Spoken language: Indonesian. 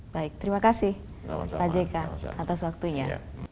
baik terima kasih pak jk atas waktunya